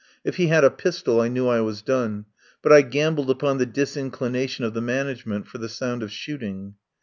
If he had a pistol I knew I was done, but I gambled upon the disinclination of the management for the sound of shooting.